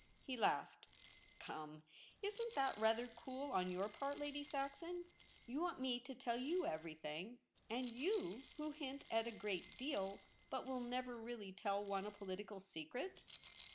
He laughed. ' Come, isn't that rather cool on your part, Lady Saxon ? You want me to tell you everything. And you, who hint at a great deal, but will never really tell one a political secret.'